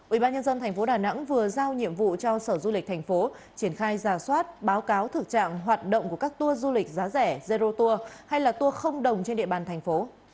ubnd tp đà nẵng vừa giao nhiệm vụ cho sở du lịch tp triển khai giả soát báo cáo thực trạng hoạt động của các tour du lịch giá rẻ zero tour hay là tour không đồng trên địa bàn tp